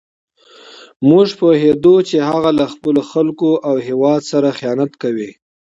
موږ پوهېدو چې هغه له خپلو خلکو او هېواد سره خیانت کوي.